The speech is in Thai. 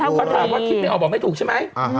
ถ้าคิดไม่ออกเป็นไงเขาบอกไม่ถูกใช่ไหม